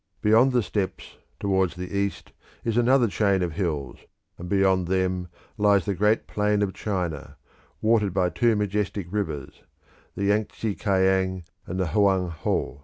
Beyond the steppes towards the east is another chain of hills, and beyond them lies the Great Plain of China, watered by two majestic rivers, the Yang tse Kiang and the Hoang Ho.